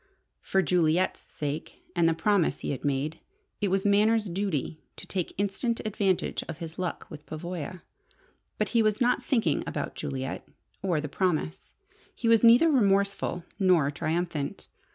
For Juliet's sake, and the promise he had made, it was Manners' duty to take instant advantage of his "luck" with Pavoya. But he was not thinking about Juliet or the promise. He was neither remorseful nor triumphant.